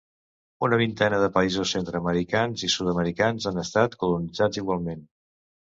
Una vintena de països centre-americans i sud-americans han estat colonitzats igualment.